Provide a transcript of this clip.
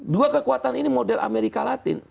dua kekuatan ini model amerika latin